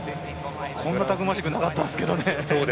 こんなたくましくなかったですけどね。